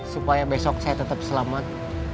supaya besok saya tetap selamat